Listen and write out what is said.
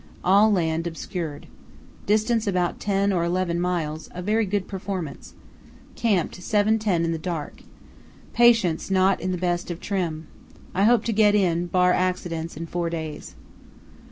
All land obscured. Distance about ten or eleven miles, a very good performance. Camped 7.10 in the dark. Patients not in the best of trim. I hope to get in, bar accidents, in four days.